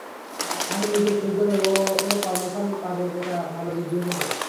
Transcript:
আমি নিশ্চিত শীঘ্রই ও ওর কর্মফল পাবে একটা ভালো বুদ্ধি এসেছে।